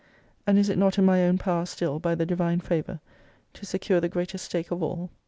And is it not in my own power still, by the Divine favour, to secure the greatest stake of all?